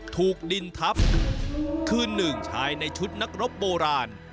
ถูกดินทับคือหนึ่งชายในชุดนักรบโบราณ